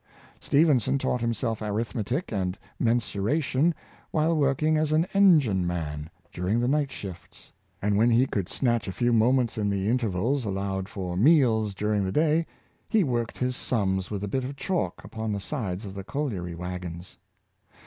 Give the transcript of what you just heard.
vS'tephenson taught himself arithmetic and mensuration while working as an engine man, during the night shifts; and when he could snatch a few moments in the inter vals allowed for meals during the day, he worked his sums with a bit of chalk upon the sides of the colliery wagons.